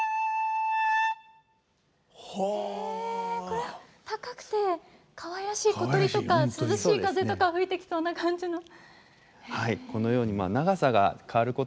これ高くてかわいらしい小鳥とか涼しい風とか吹いてきそうな感じの。